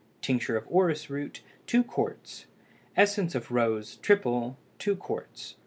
Tincture of orris root 2 qts. Essence of rose (triple) 2 qts.